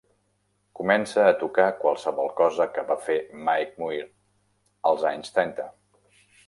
Comença a tocar a qualsevol cosa que va fer Mike Muir als anys trenta